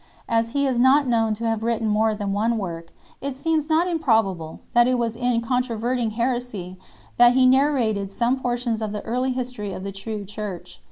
As he is not known to have written more than one work, it seems not impro bable that it was in controverting heresy that he narrated some portions of the early history of the true Church.